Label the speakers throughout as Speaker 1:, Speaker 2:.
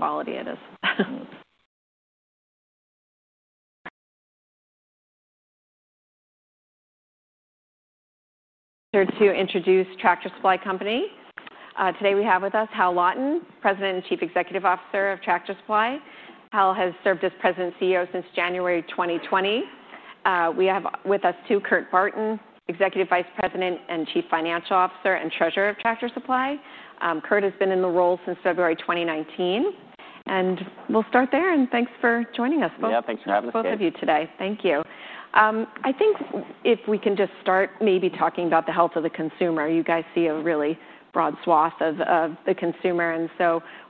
Speaker 1: The quality it is. Here to introduce Tractor Supply Company. Today we have with us Hal Lawton, President and Chief Executive Officer of Tractor Supply. Hal has served as President and CEO since January 2020. We have with us too Kurt Barton, Executive Vice President and Chief Financial Officer and Treasurer of Tractor Supply. Kurt has been in the role since February 2019, and we'll start there. Thanks for joining us.
Speaker 2: Yeah, thanks for having us.
Speaker 1: Thank you. I think if we can just start maybe talking about the health of the consumer, you guys see a really broad swath of the consumer, and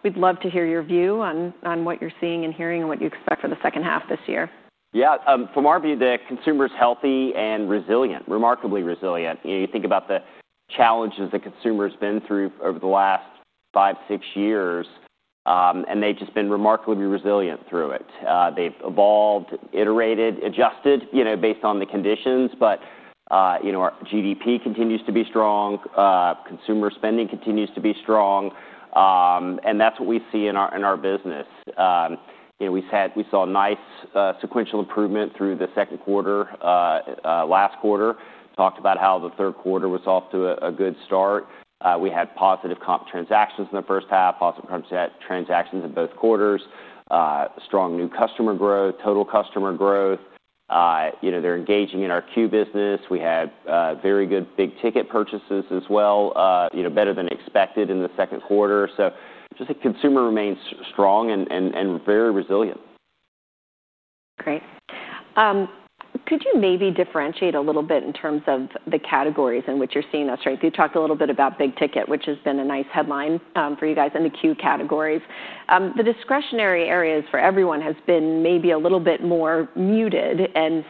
Speaker 1: we'd love to hear your view on what you're seeing and hearing and what you expect for the second half this year.
Speaker 2: Yeah, from our view, the consumer's healthy and resilient, remarkably resilient. You know, you think about the challenges the consumer's been through over the last five, six years, and they've just been remarkably resilient through it. They've evolved, iterated, adjusted, you know, based on the conditions, but, you know, our GDP continues to be strong, consumer spending continues to be strong, and that's what we see in our business. You know, we saw a nice, sequential improvement through the second quarter, last quarter. Talked about how the third quarter was off to a good start. We had positive comp transactions in the first half, positive comp transactions in both quarters, strong new customer growth, total customer growth. You know, they're engaging in our queue business. We had very good big ticket purchases as well, you know, better than expected in the second quarter. The consumer remains strong and very resilient.
Speaker 1: Great. Could you maybe differentiate a little bit in terms of the categories in which you're seeing us, right? You talked a little bit about big ticket, which has been a nice headline for you guys in the queue categories. The discretionary areas for everyone have been maybe a little bit more muted, and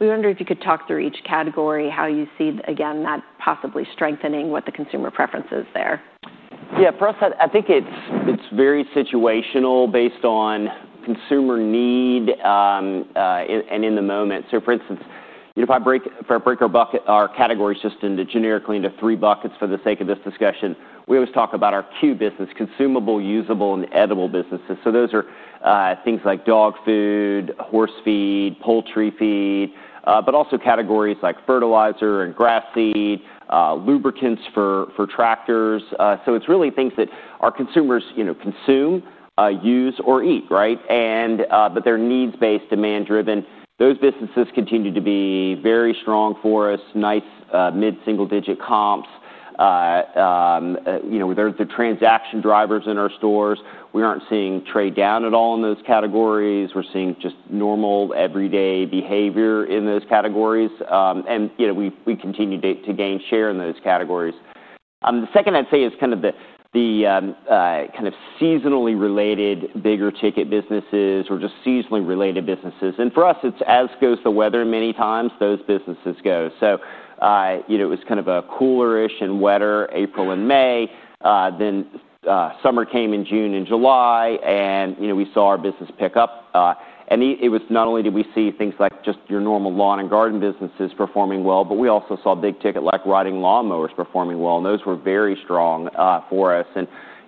Speaker 1: we wonder if you could talk through each category, how you see, again, that possibly strengthening what the consumer preference is there.
Speaker 2: Yeah, for us, I think it's very situational based on consumer need and in the moment. For instance, if I break our bucket, our categories just generically into three buckets for the sake of this discussion, we always talk about our C.U.E. business, consumable, usable, and edible businesses. Those are things like dog food, horse feed, poultry feed, but also categories like fertilizer and grass seed, lubricants for tractors. It's really things that our consumers consume, use, or eat, right? They're needs-based, demand-driven. Those businesses continue to be very strong for us, nice, mid-single-digit comps. They're the transaction drivers in our stores. We aren't seeing trade down at all in those categories. We're seeing just normal everyday behavior in those categories, and we continue to gain share in those categories. The second I'd say is kind of the seasonally related bigger ticket businesses or just seasonally related businesses. For us, as goes the weather many times, those businesses go. It was kind of a cooler-ish and wetter April and May. Summer came in June and July, and we saw our business pick up. It was not only did we see things like just your normal lawn and garden businesses performing well, but we also saw big ticket like riding lawnmowers performing well, and those were very strong for us.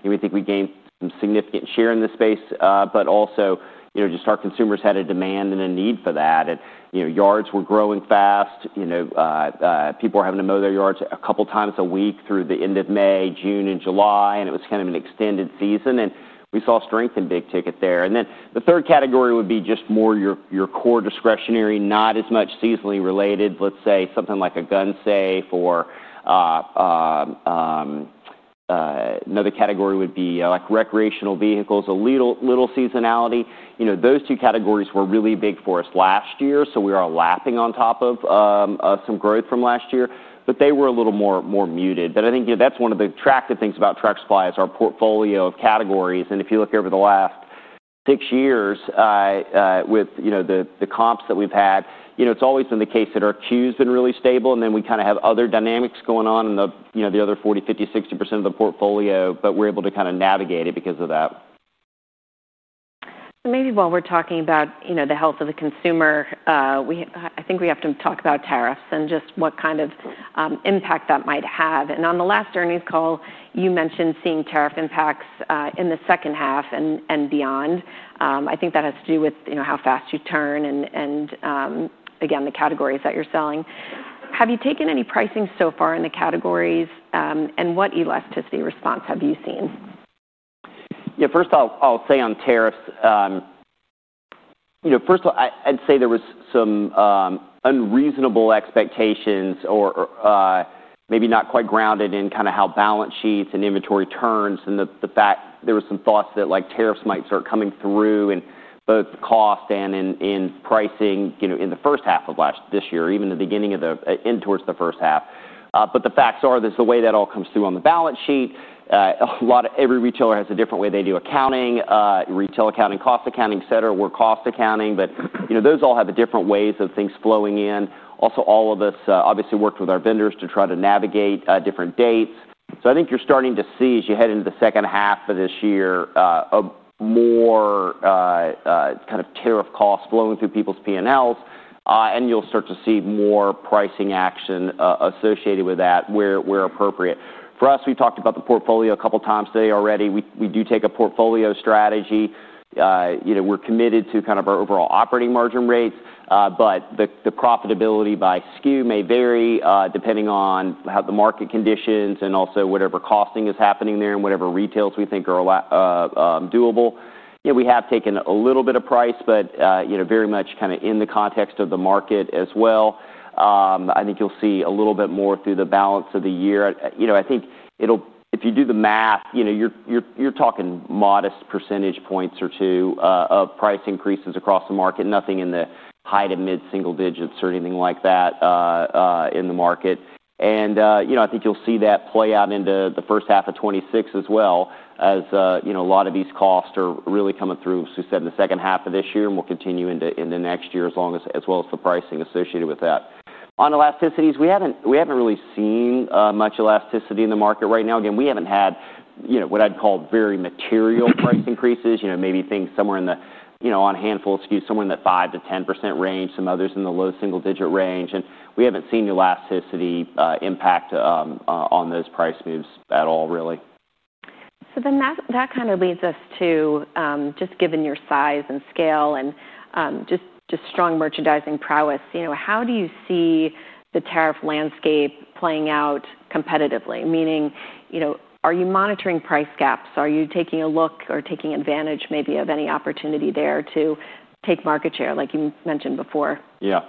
Speaker 2: We think we gained some significant share in this space, but also our consumers had a demand and a need for that. Yards were growing fast. People were having to mow their yards a couple of times a week through the end of May, June, and July, and it was kind of an extended season, and we saw strength in big ticket there. The third category would be just more your core discretionary, not as much seasonally related, let's say something like a gun safe or another category would be like recreational vehicles, a little seasonality. Those two categories were really big for us last year, so we are lapping on top of some growth from last year, but they were a little more muted. I think that's one of the attractive things about Trac Supply is our portfolio of categories. If you look over the last six years, with the comps that we've had, it's always been the case that our C.U.E.'s been really stable, and then we kind of have other dynamics going on in the other 40%, 50%, 60% of the portfolio, but we're able to kind of navigate it because of that.
Speaker 1: While we're talking about the health of the consumer, I think we have to talk about tariffs and just what kind of impact that might have. On the last earnings call, you mentioned seeing tariff impacts in the second half and beyond. I think that has to do with how fast you turn and, again, the categories that you're selling. Have you taken any pricing so far in the categories, and what elasticity response have you seen?
Speaker 2: Yeah, first I'll say on tariffs, first of all, I'd say there were some unreasonable expectations or maybe not quite grounded in kind of how balance sheets and inventory turns, and the fact there were some thoughts that tariffs might start coming through in both the cost and in pricing in the first half of last year, even the beginning of the end towards the first half. The facts are that the way that all comes through on the balance sheet, every retailer has a different way they do accounting, retail accounting, cost accounting, et cetera. We're cost accounting, but those all have different ways of things flowing in. Also, all of us obviously worked with our vendors to try to navigate different dates. I think you're starting to see, as you head into the second half of this year, a more kind of tariff cost flowing through people's P&Ls, and you'll start to see more pricing action associated with that where appropriate. For us, we've talked about the portfolio a couple of times today already. We do take a portfolio strategy. We're committed to kind of our overall operating margin rates, but the profitability by SKU may vary depending on how the market conditions and also whatever costing is happening there and whatever retails we think are doable. We have taken a little bit of price, but very much kind of in the context of the market as well. I think you'll see a little bit more through the balance of the year. I think if you do the math, you're talking modest percentage points or two of price increases across the market, nothing in the high to mid single digits or anything like that in the market. I think you'll see that play out into the first half of 2026 as well, as a lot of these costs are really coming through, as we said, in the second half of this year, and will continue into next year as well as the pricing associated with that. On elasticities, we haven't really seen much elasticity in the market right now. Again, we haven't had what I'd call very material price increases, maybe things somewhere on a handful of SKUs, somewhere in the 5%- 10% range, some others in the low single digit range, and we haven't seen the elasticity impact on those price moves at all really.
Speaker 1: That kind of leads us to, just given your size and scale and just strong merchandising prowess, you know, how do you see the tariff landscape playing out competitively? Meaning, you know, are you monitoring price gaps? Are you taking a look or taking advantage maybe of any opportunity there to take market share like you mentioned before?
Speaker 2: Yeah,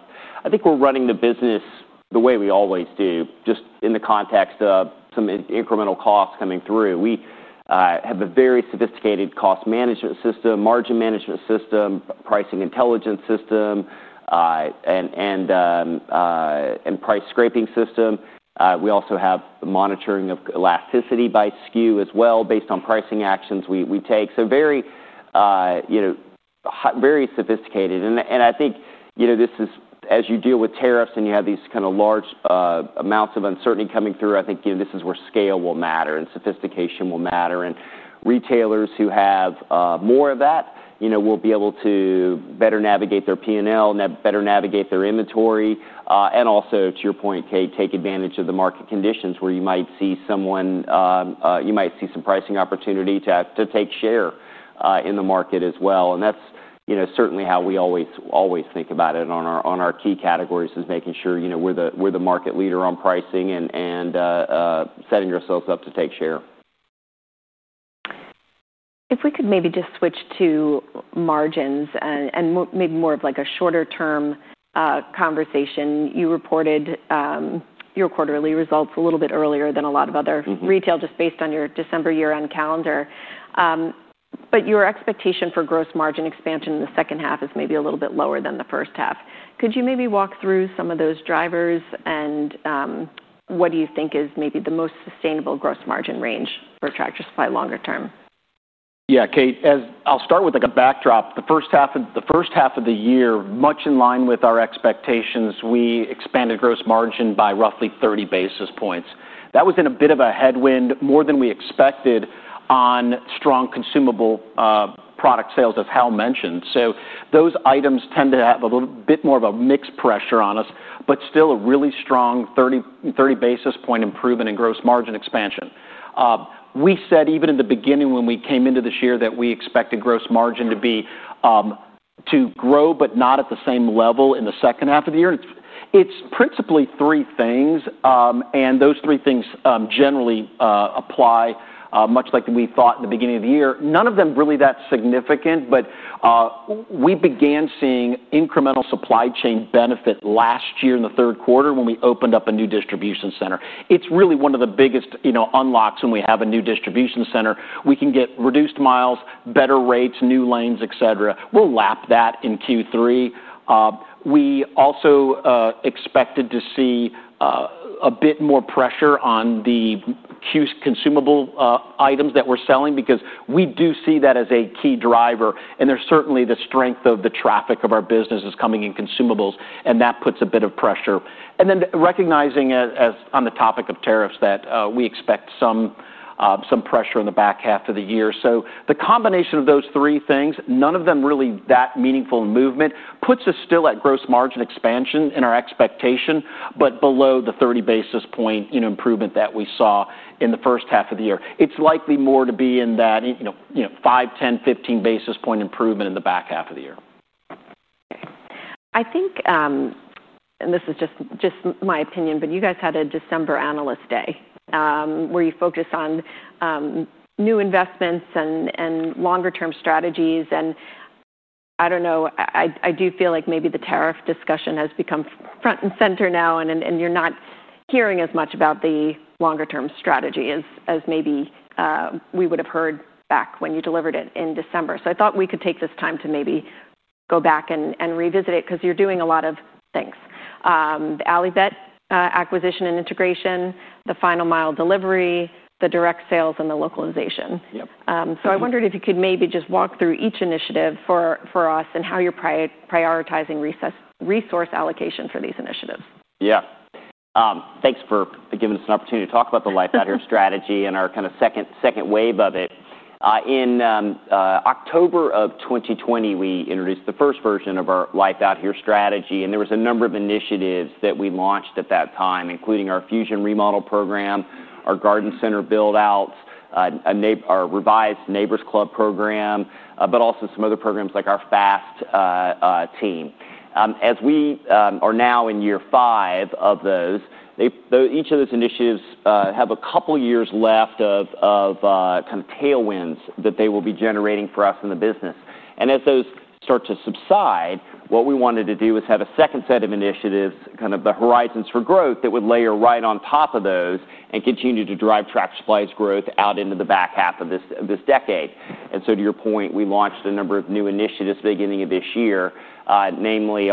Speaker 2: I think we're running the business the way we always do, just in the context of some incremental costs coming through. We have a very sophisticated cost management system, margin management system, pricing intelligence system, and price scraping system. We also have monitoring of elasticity by SKU as well, based on pricing actions we take. Very sophisticated. I think this is, as you deal with tariffs and you have these kind of large amounts of uncertainty coming through, this is where scale will matter and sophistication will matter. Retailers who have more of that will be able to better navigate their P&L, better navigate their inventory, and also, to your point, Kate, take advantage of the market conditions where you might see some pricing opportunity to take share in the market as well. That's certainly how we always think about it on our key categories, making sure we're the market leader on pricing and setting ourselves up to take share.
Speaker 1: If we could maybe just switch to margins and maybe more of like a shorter term conversation, you reported your quarterly results a little bit earlier than a lot of other retail just based on your December year-end calendar. Your expectation for gross margin expansion in the second half is maybe a little bit lower than the first half. Could you maybe walk through some of those drivers and what do you think is maybe the most sustainable gross margin range for Tractor Supply l onger term?
Speaker 3: Yeah, Kate, I'll start with a backdrop. The first half of the year, much in line with our expectations, we expanded gross margin by roughly 30 basis points. That was in a bit of a headwind, more than we expected, on strong consumable product sales as Hal mentioned. Those items tend to have a little bit more of a mixed pressure on us, but still a really strong 30 basis point improvement in gross margin expansion. We said even in the beginning when we came into this year that we expected gross margin to grow, but not at the same level in the second half of the year. It's principally three things, and those three things generally apply, much like we thought in the beginning of the year. None of them really that significant, but we began seeing incremental supply chain benefit last year in the third quarter when we opened up a new distribution center. It's really one of the biggest unlocks when we have a new distribution center. We can get reduced miles, better rates, new lanes, et cetera. We'll lap that in Q3. We also expected to see a bit more pressure on the consumable items that we're selling because we do see that as a key driver. There's certainly the strength of the traffic of our business coming in consumables, and that puts a bit of pressure. Then recognizing as on the topic of tariffs that we expect some pressure in the back half of the year. The combination of those three things, none of them really that meaningful in movement, puts us still at gross margin expansion in our expectation, but below the 30 basis point improvement that we saw in the first half of the year. It's likely more to be in that 5, 10, 15 basis point improvement in the back half of the year.
Speaker 1: I think, and this is just my opinion, but you guys had a December analyst day, where you focused on new investments and longer term strategies. I don't know, I do feel like maybe the tariff discussion has become front and center now, and you're not hearing as much about the longer term strategy as maybe we would have heard back when you delivered it in December. I thought we could take this time to maybe go back and revisit it because you're doing a lot of things. The Allivet acquisition and integration, the final mile delivery, the direct sales, and the localization.
Speaker 3: Yep.
Speaker 1: I wondered if you could maybe just walk through each initiative for us and how you're prioritizing resource allocation for these initiatives.
Speaker 2: Yeah, thanks for giving us an opportunity to talk about the Life Out Here strategy and our kind of second wave of it. In October of 2020, we introduced the first version of our Life Out Here strategy, and there were a number of initiatives that we launched at that time, including our Fusion Remodel Program, our garden center buildouts, our revised Neighbor's Club program, but also some other programs like our FAST team. As we are now in year five of those, each of those initiatives have a couple of years left of kind of tailwinds that they will be generating for us in the business. As those start to subside, what we wanted to do was have a second set of initiatives, kind of the horizons for growth that would layer right on top of those and continue to drive Trac Supply 's growth out into the back half of this decade. To your point, we launched a number of new initiatives at the beginning of this year, namely,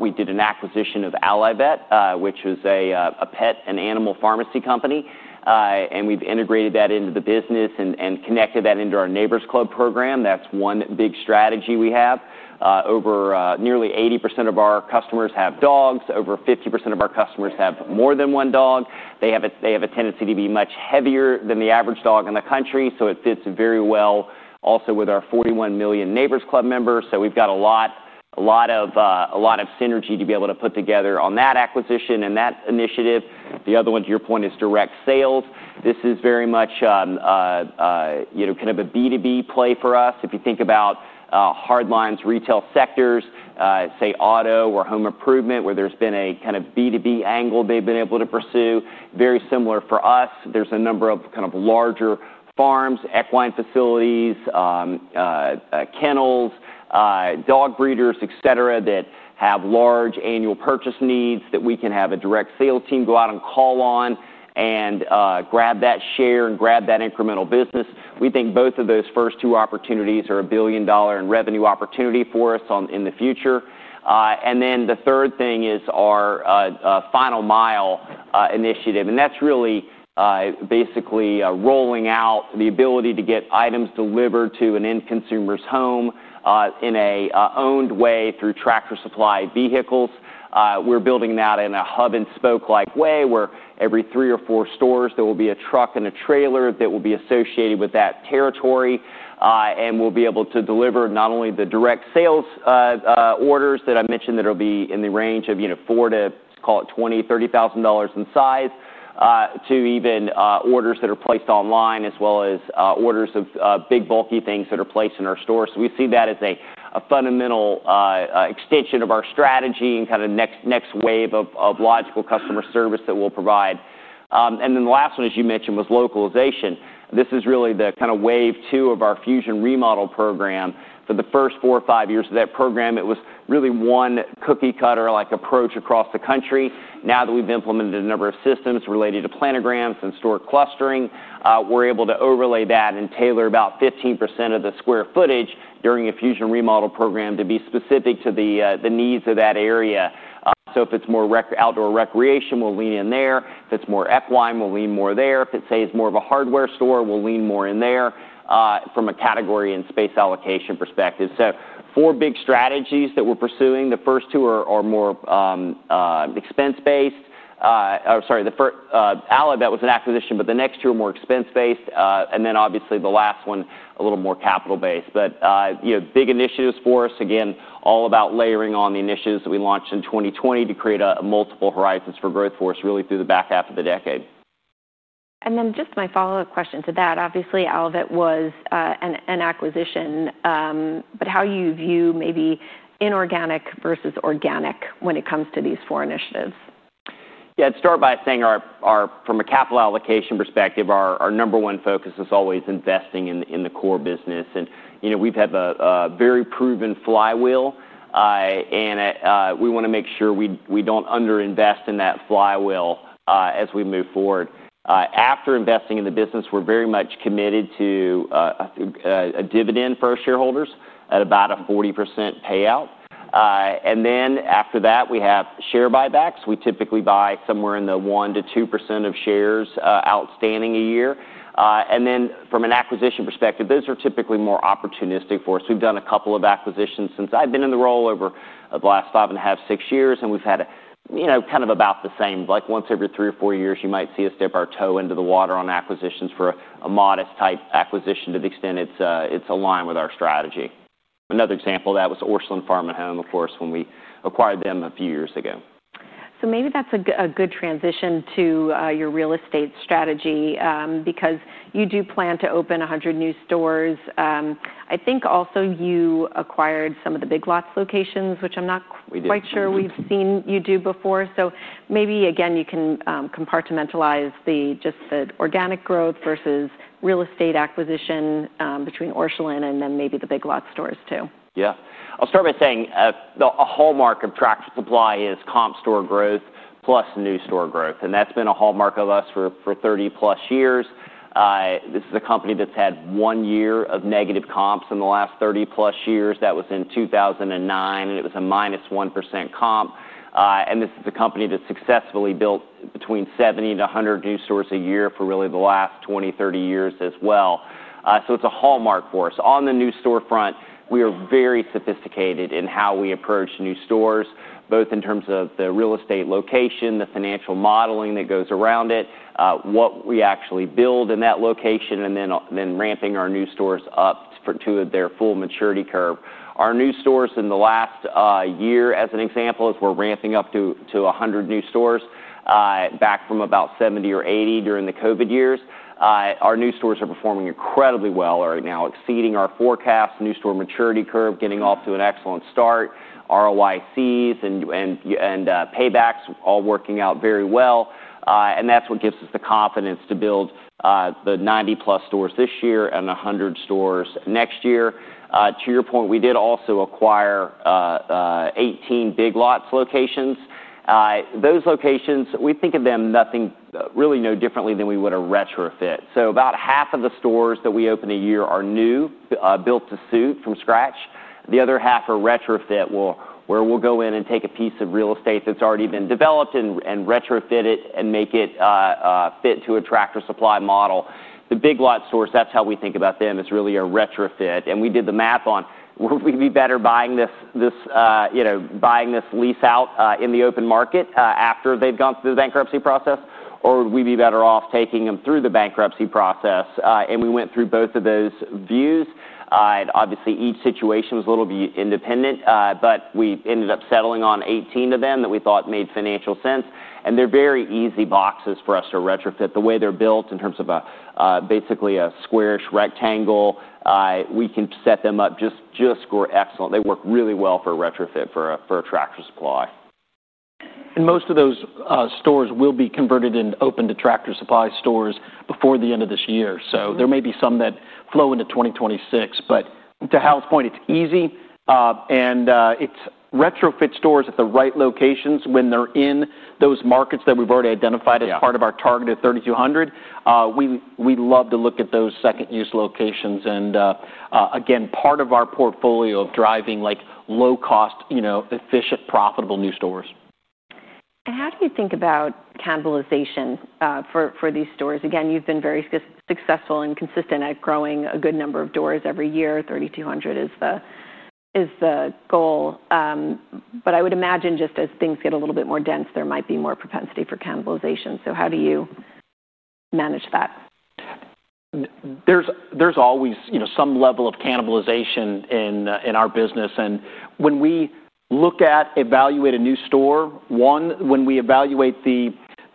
Speaker 2: we did an acquisition of Allivet, which is a pet and animal pharmacy company, and we've integrated that into the business and connected that into our Neighbor's Club program. That's one big strategy we have. Over nearly 80% of our customers have dogs. Over 50% of our customers have more than one dog. They have a tendency to be much heavier than the average dog in the country, so it fits very well also with our 41 million Neighbor's Club members. We've got a lot of synergy to be able to put together on that acquisition and that initiative. The other one, to your point, is direct sales. This is very much, you know, kind of a B2B play for us. If you think about hard lines retail sectors, say auto or home improvement, where there's been a kind of B2B angle they've been able to pursue, it's very similar for us. There's a number of kind of larger farms, equine facilities, kennels, dog breeders, et cetera, that have large annual purchase needs that we can have a direct sales team go out and call on and grab that share and grab that incremental business. We think both of those first two opportunities are a billion dollar in revenue opportunity for us in the future. The third thing is our final mile initiative. That's really basically rolling out the ability to get items delivered to an end consumer's home in an owned way through Tractor Supply vehicles. We're building that in a hub-and-spoke-like way where every three or four stores, there will be a truck and a trailer that will be associated with that territory, and we'll be able to deliver not only the direct sales orders that I mentioned that will be in the range of, you know, four to, call it, $20,000- $30,000 in size, to even orders that are placed online as well as orders of big bulky things that are placed in our stores. We see that as a fundamental extension of our strategy and kind of next wave of logical customer service that we'll provide. The last one, as you mentioned, was localization. This is really the kind of wave two of our Fusion remodel program. For the first four or five years of that program, it was really one cookie-cutter-like approach across the country. Now that we've implemented a number of systems related to planograms and store clustering, we're able to overlay that and tailor about 15% of the square footage during a Fusion remodel program to be specific to the needs of that area. If it's more outdoor recreation, we'll lean in there. If it's more equine, we'll lean more there. If it's, say, more of a hardware store, we'll lean more in there from a category and space allocation perspective. Four big strategies that we're pursuing. The first two are more expense-based, or sorry, the first, Allivet was an acquisition, but the next two are more expense-based, and obviously the last one a little more capital-based. Big initiatives for us, again, all about layering on the initiatives that we launched in 2020 to create multiple horizons for growth for us really through the back half of the decade.
Speaker 1: Just my follow-up question to that, obviously Allivet was an acquisition, but how do you view maybe inorganic versus organic when it comes to these four initiatives?
Speaker 2: Yeah, I'd start by saying our, from a capital allocation perspective, our number one focus is always investing in the core business. We've had a very proven flywheel, and we want to make sure we don't underinvest in that flywheel as we move forward. After investing in the business, we're very much committed to a dividend for our shareholders at about a 40% payout. After that, we have share buybacks. We typically buy somewhere in the 1%- 2% of shares outstanding a year. From an acquisition perspective, those are typically more opportunistic for us. We've done a couple of acquisitions since I've been in the role over the last five and a half, six years, and we've had kind of about the same, like once every three or four years, you might see us dip our toe into the water on acquisitions for a modest type acquisition to the extent it's aligned with our strategy. Another example of that was Orscheln Farm & Home, of course, when we acquired them a few years ago.
Speaker 1: Maybe that's a good transition to your real estate strategy, because you do plan to open 100 new stores. I think also you acquired some of the Big Lots locations, which I'm not quite sure we've seen you do before. Maybe again, you can compartmentalize just the organic growth versus real estate acquisition, between Orscheln and then maybe the Big Lots stores too.
Speaker 2: Yeah, I'll start by saying, a hallmark of Tractor Supply is comp sales growth plus new store growth. That's been a hallmark of us for 30+ years. This is a company that's had one year of negative comps in the last 30 + years. That was in 2009, and it was a -1% comp. This is a company that successfully built between 70- 100 new stores a year for really the last 20, 30 years as well. It's a hallmark for us. On the new storefront, we are very sophisticated in how we approach new stores, both in terms of the real estate location, the financial modeling that goes around it, what we actually build in that location, and then ramping our new stores up to their full maturity curve. Our new stores in the last year, as an example, as we're ramping up to 100 new stores, back from about 70 or 80 during the COVID years, our new stores are performing incredibly well right now, exceeding our forecast, new store maturity curve getting off to an excellent start, ROICs and paybacks all working out very well. That's what gives us the confidence to build the 90+ stores this year and 100 stores next year. To your point, we did also acquire 18 Big Lots locations. Those locations, we think of them really no differently than we would a retrofit. About half of the stores that we open a year are new, built to suit from scratch. The other half are retrofit, where we'll go in and take a piece of real estate that's already been developed and retrofit it and make it fit to a Tractor Supply model. The Big Lots stores, that's how we think about them, is really a retrofit. We did the math on, would we be better buying this lease out in the open market after they've gone through the bankruptcy process, or would we be better off taking them through the bankruptcy process? We went through both of those views. Obviously, each situation was a little bit independent, but we ended up settling on 18 of them that we thought made financial sense. They're very easy boxes for us to retrofit. The way they're built in terms of basically a squarish rectangle, we can set them up just, just score excellent. They work really well for a retrofit for a Tractor Supply .
Speaker 3: Most of those stores will be converted and opened to Tractor Supply stores before the end of this year. There may be some that flow into 2026, but to Hal's point, it's easy. It's retrofit stores at the right locations when they're in those markets that we've already identified as part of our targeted 3,200. We love to look at those second use locations and, again, part of our portfolio of driving low cost, efficient, profitable new stores.
Speaker 1: How do you think about cannibalization for these stores? You've been very successful and consistent at growing a good number of doors every year. 3,200 is the goal. I would imagine just as things get a little bit more dense, there might be more propensity for cannibalization. How do you manage that?
Speaker 3: There's always, you know, some level of cannibalization in our business. When we look at evaluating a new store, when we evaluate the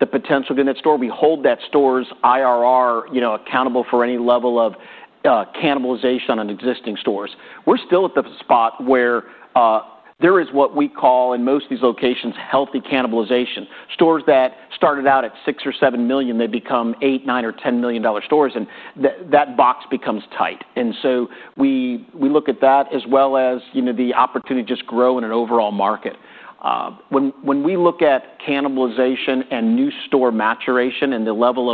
Speaker 3: potential to that store, we hold that store's IRR accountable for any level of cannibalization on existing stores. We're still at the spot where there is what we call in most of these locations healthy cannibalization. Stores that started out at $6 million or $7 million, they become $8 million, $9 million, or $10 million stores, and that box becomes tight. We look at that as well as the opportunity to just grow in an overall market. When we look at cannibalization and new store maturation and the level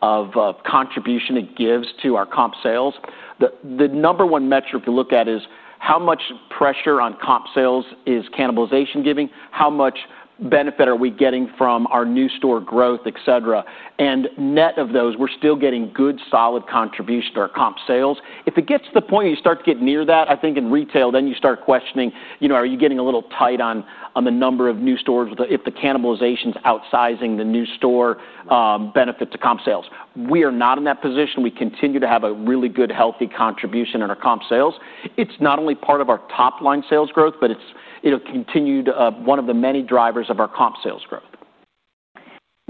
Speaker 3: of contribution it gives to our comp sales, the number one metric we look at is how much pressure on comp sales is cannibalization giving, how much benefit are we getting from our new store growth, et cetera. Net of those, we're still getting good solid contribution to our comp sales. If it gets to the point where you start to get near that, I think in retail, you start questioning, you know, are you getting a little tight on the number of new stores if the cannibalization is outsizing the new store benefit to comp sales? We are not in that position. We continue to have a really good healthy contribution in our comp sales. It's not only part of our top line sales growth, but it'll continue to be one of the many drivers of our comp sales growth.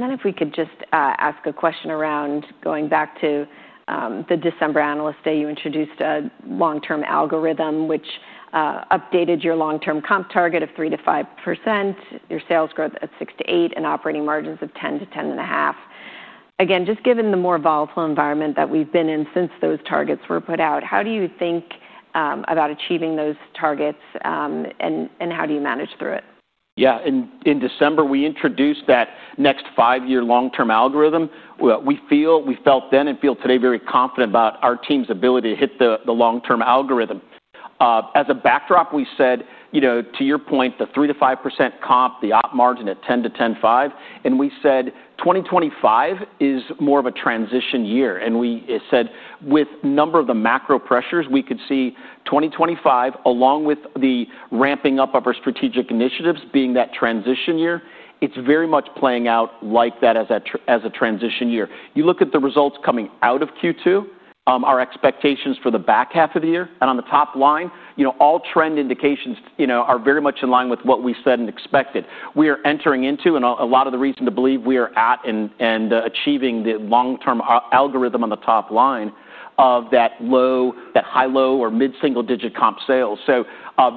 Speaker 1: If we could just ask a question around going back to the December analyst day, you introduced a long-term algorithm, which updated your long-term comp target of 3%- 5%, your sales growth at 6%- 8%, and operating margins of 10%- 10.5%. Given the more volatile environment that we've been in since those targets were put out, how do you think about achieving those targets, and how do you manage through it?
Speaker 3: In December, we introduced that next five-year long-term algorithm. We felt then and feel today very confident about our team's ability to hit the long-term algorithm. As a backdrop, we said, to your point, the 3%- 5% comp, the op margin at 10%- 10.5%, and we said 2025 is more of a transition year. We said with a number of the macro pressures, we could see 2025, along with the ramping up of our strategic initiatives, being that transition year. It's very much playing out like that as a transition year. You look at the results coming out of Q2, our expectations for the back half of the year, and on the top line, all trend indications are very much in line with what we said and expected. We are entering into, and a lot of the reason to believe we are at and achieving the long-term algorithm on the top line of that high low or mid single digit comp sales.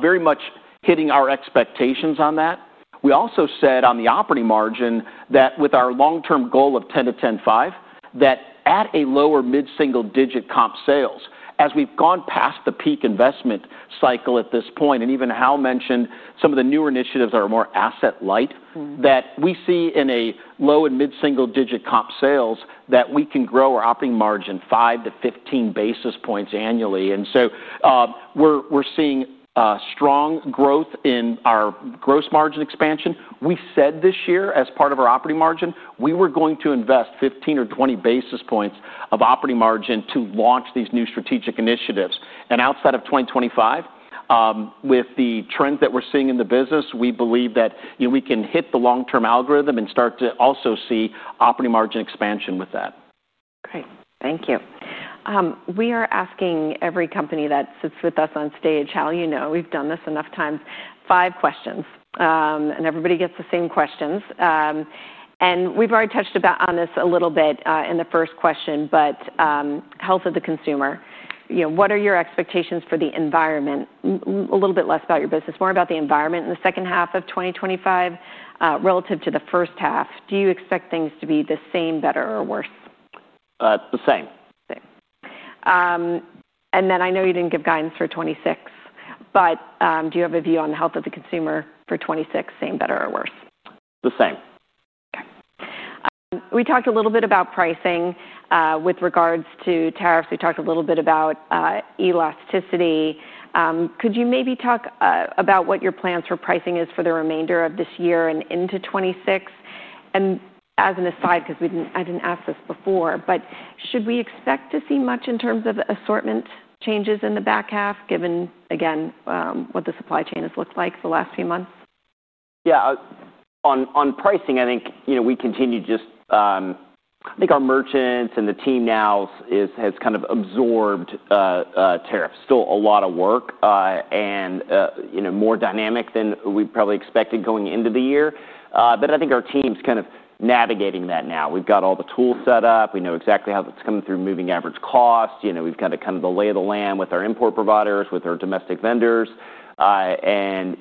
Speaker 3: Very much hitting our expectations on that. We also said on the operating margin that with our long-term goal of 10%- 10.5%, that at a lower mid single digit comp sales, as we've gone past the peak investment cycle at this point, and even Hal mentioned some of the newer initiatives that are more asset light, we see in a low and mid single digit comp sales that we can grow our operating margin 5 basis points- 15 basis points annually. We're seeing strong growth in our gross margin expansion. We said this year, as part of our operating margin, we were going to invest 15 basis points or 20 basis points of operating margin to launch these new strategic initiatives. Outside of 2025, with the trend that we're seeing in the business, we believe that we can hit the long-term algorithm and start to also see operating margin expansion with that.
Speaker 1: Great, thank you. We are asking every company that sits with us on stage, Hal, you know, we've done this enough times, five questions, and everybody gets the same questions. We've already touched a bit on this in the first question, but health of the consumer, you know, what are your expectations for the environment? A little bit less about your business, more about the environment in the second half of 2025, relative to the first half. Do you expect things to be the same, better, or worse?
Speaker 2: the same.
Speaker 1: I know you didn't give guidance for 2026, but do you have a view on the health of the consumer for 2026, same, better, or worse?
Speaker 2: The same.
Speaker 1: Okay. We talked a little bit about pricing with regards to tariffs. We talked a little bit about elasticity. Could you maybe talk about what your plans for pricing is for the remainder of this year and into 2026? As an aside, because I didn't ask this before, should we expect to see much in terms of assortment changes in the back half, given, again, what the supply chain has looked like the last few months?
Speaker 2: Yeah, on pricing, I think we continue. I think our merchants and the team now have kind of absorbed tariffs. Still a lot of work, and more dynamic than we probably expected going into the year. I think our team's kind of navigating that now. We've got all the tools set up. We know exactly how that's coming through, moving average costs. We've got kind of the lay of the land with our import providers, with our domestic vendors, and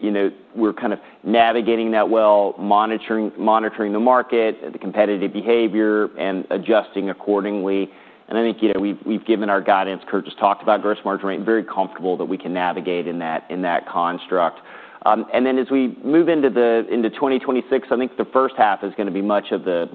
Speaker 2: we're kind of navigating that well, monitoring the market, the competitive behavior, and adjusting accordingly. I think we've given our guidance. Kurt just talked about gross margin rate, and very comfortable that we can navigate in that construct. As we move into 2026, I think the first half is going to be much of the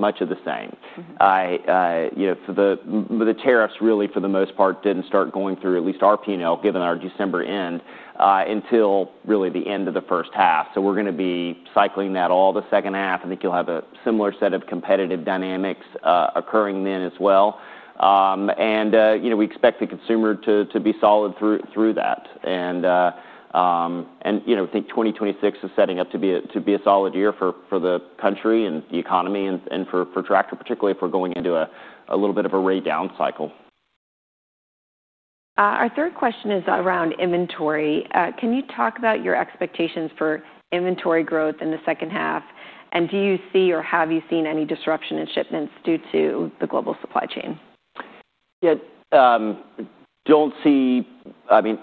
Speaker 2: same. The tariffs really for the most part didn't start going through at least our P&L, given our December end, until really the end of the first half. We're going to be cycling that all the second half. I think you'll have a similar set of competitive dynamics occurring then as well. We expect the consumer to be solid through that. I think 2026 is setting up to be a solid year for the country and the economy and for Tractor, particularly if we're going into a little bit of a rate down cycle.
Speaker 1: Our third question is around inventory. Can you talk about your expectations for inventory growth in the second half? Do you see or have you seen any disruption in shipments due to the global supply chain?
Speaker 2: Yeah,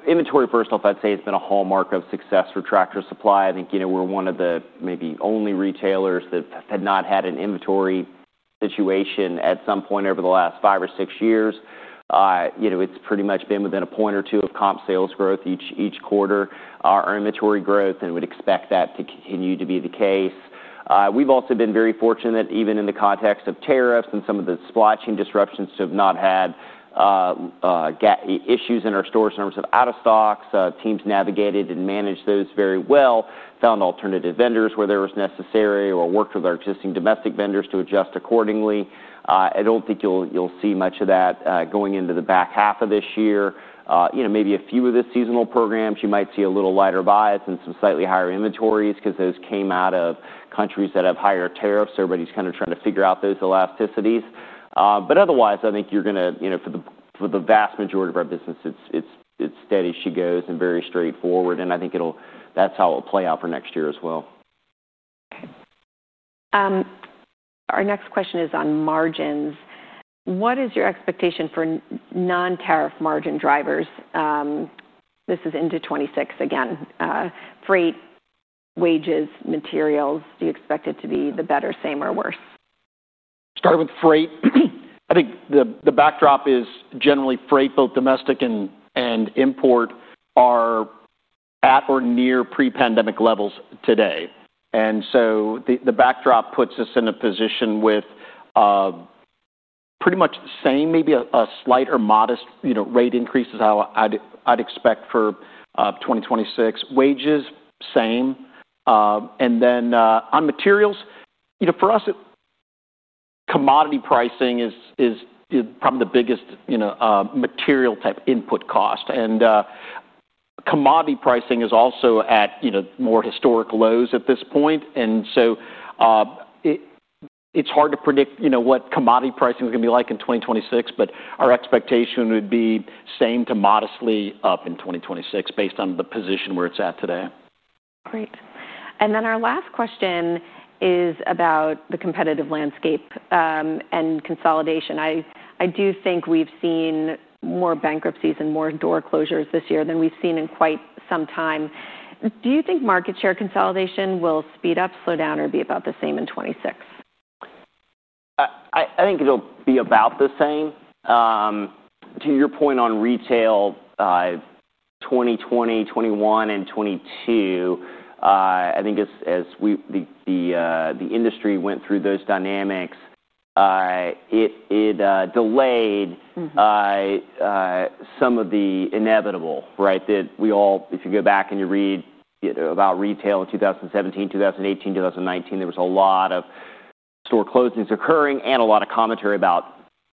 Speaker 2: inventory, first off, I'd say it's been a hallmark of success for Tractor Supply. I think, you know, we're one of the maybe only retailers that had not had an inventory situation at some point over the last five or six years. You know, it's pretty much been within [1% or 2%] of comp sales growth each quarter. Our inventory growth, and we'd expect that to continue to be the case. We've also been very fortunate that even in the context of tariffs and some of the supply chain disruptions to have not had issues in our stores in terms of out of stocks. Teams navigated and managed those very well, found alternative vendors where there was necessary, or worked with our existing domestic vendors to adjust accordingly. I don't think you'll see much of that going into the back half of this year. You know, maybe a few of the seasonal programs, you might see a little lighter bias and some slightly higher inventories because those came out of countries that have higher tariffs. Everybody's kind of trying to figure out those elasticities. Otherwise, I think you're going to, you know, for the vast majority of our business, it's steady as she goes and very straightforward. I think that's how it'll play out for next year as well.
Speaker 1: Okay. Our next question is on margins. What is your expectation for non-tariff margin drivers? This is into 2026 again. Freight, wages, materials, do you expect it to be better, same, or worse?
Speaker 3: Starting with freight, I think the backdrop is generally freight, both domestic and import, are at or near pre-pandemic levels today. The backdrop puts us in a position with pretty much same, maybe a slight or modest rate increases how I'd expect for 2026. Wages, same. On materials, for us, commodity pricing is probably the biggest material type input cost. Commodity pricing is also at more historic lows at this point. It's hard to predict what commodity pricing is going to be like in 2026, but our expectation would be same to modestly up in 2026 based on the position where it's at today.
Speaker 1: Great. Our last question is about the competitive landscape and consolidation. I do think we've seen more bankruptcies and more door closures this year than we've seen in quite some time. Do you think market share consolidation will speed up, slow down, or be about the same in 2026?
Speaker 2: I think it'll be about the same. To your point on retail, 2020, 2021, and 2022, I think as the industry went through those dynamics, it delayed some of the inevitable, right? If you go back and you read about retail in 2017, 2018, 2019, there was a lot of store closings occurring and a lot of commentary about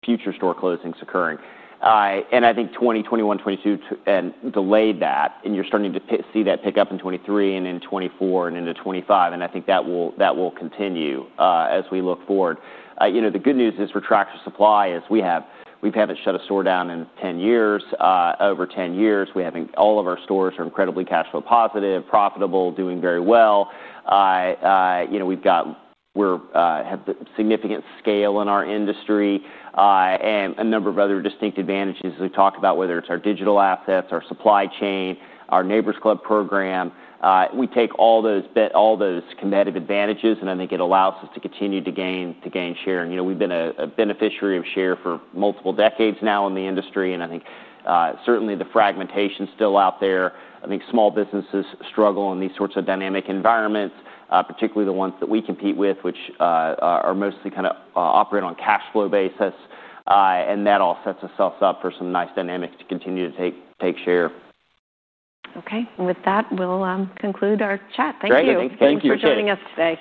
Speaker 2: future store closings occurring. I think 2021, 2022, delayed that, and you're starting to see that pick up in 2023 and in 2024 and into 2025. I think that will continue as we look forward. The good news for Tractor Supply is we haven't shut a store down in 10 years, over 10 years. All of our stores are incredibly cashflow positive, profitable, doing very well. We've got significant scale in our industry, and a number of other distinct advantages we've talked about, whether it's our digital assets, our supply chain, our Neighbor's Club program. We take all those competitive advantages, and I think it allows us to continue to gain share. We've been a beneficiary of share for multiple decades now in the industry, and certainly the fragmentation is still out there. I think small businesses struggle in these sorts of dynamic environments, particularly the ones that we compete with, which are mostly kind of operating on a cashflow basis. That all sets us up for some nice dynamics to continue to take share.
Speaker 1: Okay, with that, we'll conclude our chat. Thank you.
Speaker 2: Great, thank you for joining us today.